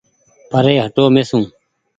پري هٽو ميسون